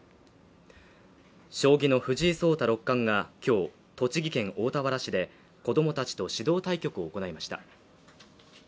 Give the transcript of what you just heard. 将棋の藤井聡太六冠が今日栃木県大田原市で子供たちと指導対局を行いました。